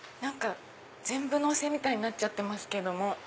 全部のせみたいになっちゃってますけども。